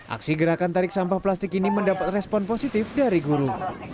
aksi gerakan tarik sampah plastik ini mendapat respon positif dari guru